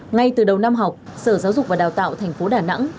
ngay từ đầu năm học sở giáo dục và đào tạo thành phố đà nẵng